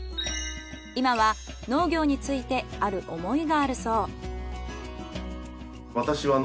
今は農業についてある想いがあるそう。